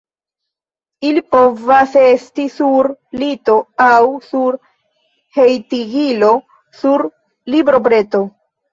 Ili povas esti sur lito aŭ sur hejtigilo, sur librobreto.